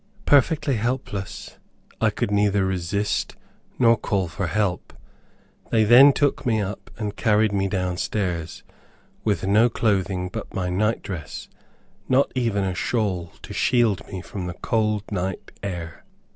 Perfectly helpless, I could neither resist nor call for help. They then took me up and carried me down stairs, with no clothing but my night dress, not even a shawl to shield me from the cold night air.